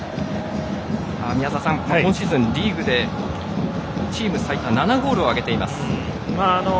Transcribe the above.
宮澤さん、今シーズン、リーグでチーム最多７ゴールを挙げています。